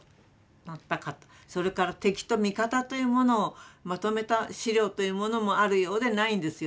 それから敵と味方というものをまとめた資料というものもあるようでないんですよね。